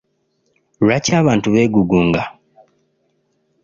Lwaki abantu beegugunga?